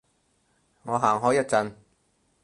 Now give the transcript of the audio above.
我行開一陣